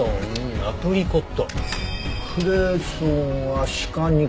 アプリコット。